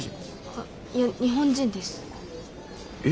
あいや日本人です。え？